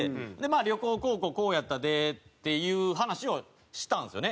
まあ旅行こうこうこうやったでっていう話をしたんですよね。